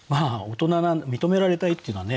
認められたいっていうのはね